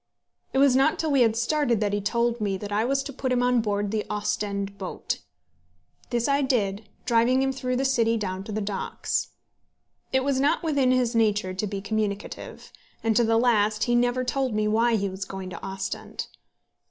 It was not till we had started that he told me that I was to put him on board the Ostend boat. This I did, driving him through the city down to the docks. It was not within his nature to be communicative, and to the last he never told me why he was going to Ostend.